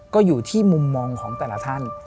ก็อยู่ที่มุมมองของแต่ละท่าน